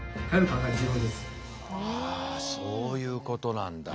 あそういうことなんだ。